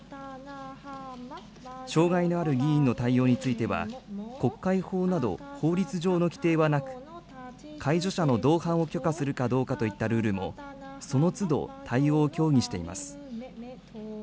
障害のある議員の対応については、国会法など法律上の規定はなく、介助者の同伴を許可するかどうかといったルールも、そのつど対応を協議しています。